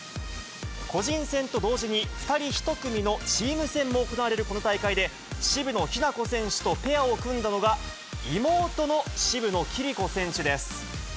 個人戦と同時に、２人１組のチーム戦も行われるこの大会で、渋野日向子選手とペアを組んだのが、妹の渋野暉璃子選手です。